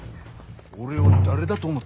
俺を誰だと思っとる。